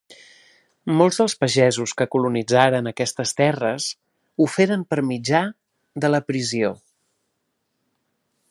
Molts dels pagesos que colonitzaren aquestes terres ho feren per mitjà de l'aprisió.